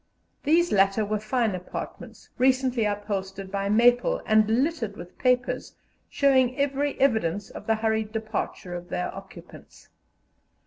These latter were fine apartments, recently upholstered by Maple, and littered with papers, showing every evidence of the hurried departure of their occupants.